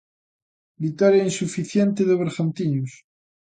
Vitoria insuficiente do Bergantiños.